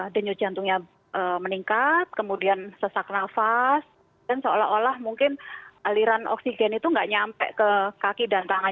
denyut jantungnya meningkat kemudian sesak nafas dan seolah olah mungkin aliran oksigen itu nggak nyampe ke kaki dan tangan